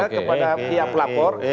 kepada pihak pelapor